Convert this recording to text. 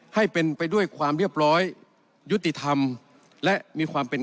ให้เป็นไปด้วยความเรียบร้อยยุติธรรมและมีความเป็น